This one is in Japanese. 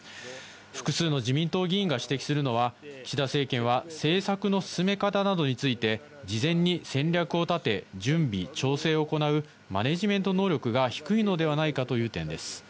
複数の自民党議員が指摘するのは、岸田政権は政策の進め方などについて、事前に戦略を立て、準備、調整を行うマネジメント能力が低いのではないかという点です。